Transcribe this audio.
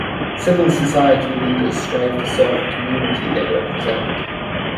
Civil society leaders strive to serve the community they represent.